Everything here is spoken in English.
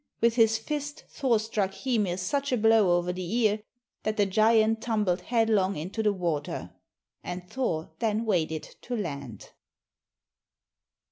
With his fist Thor struck Hymir such a blow over the ear that the giant tumbled headlong into the water, and Thor then waded to land.